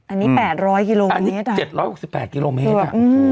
อันนี้๘๐๐กิโลอันนี้๗๖๘กิโลเมตร